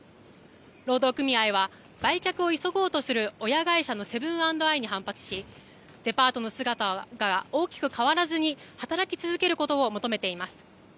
労働組合は売却を急ごうとする親会社のセブン＆アイに反発しデパートの姿が大きく変わらずに働き続けることを求めています。